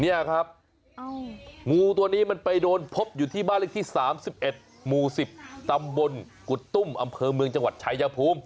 นี่ครับงูตัวนี้มันไปโดนพบอยู่ที่บ้านเลขที่๓๑หมู่๑๐ตำบลกุตุ้มอำเภอเมืองจังหวัดชายภูมิ